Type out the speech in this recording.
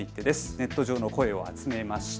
ネット上の声を集めました。